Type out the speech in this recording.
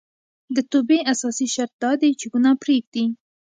د توبې اساسي شرط دا دی چې ګناه پريږدي